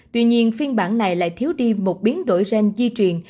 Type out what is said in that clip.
tuy nhiên phiên bản này lại thiếu đi một biến đổi gen di truyền